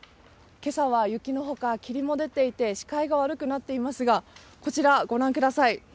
けさは雪のほか、霧も出ていて、視界が悪くなっていますが、こちら、ご覧ください。